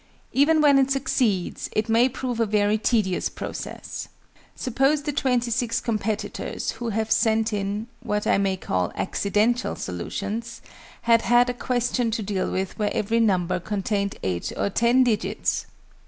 Even when it succeeds, it may prove a very tedious process. Suppose the 26 competitors, who have sent in what I may call accidental solutions, had had a question to deal with where every number contained 8 or 10 digits!